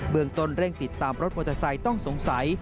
เมืองต้นเร่งติดตามรถมอเตอร์ไซค์ต้องสงสัย